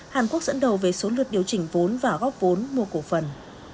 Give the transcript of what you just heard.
hàn quốc dẫn đầu về số lượt điều chỉnh vốn và góp vốn mua cổ phần